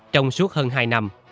trong suốt hai năm